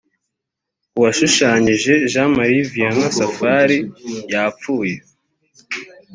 uwashushanyije jean marie vianney safari yapfuye.